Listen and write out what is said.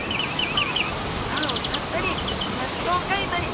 歌を歌ったりイラストを描いたり。